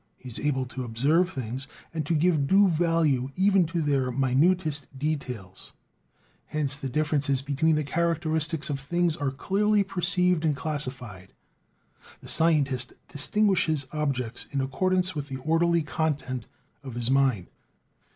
He is able to observe things, and to give due value even to their minutest details; hence the differences between the characteristics of things are clearly perceived and classified. The scientist distinguishes objects in accordance with the orderly content of his mind.